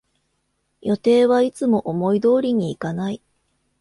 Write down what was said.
予定はいつも思い通りにいかない